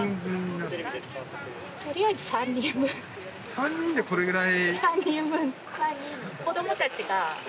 ３人でこれぐらい？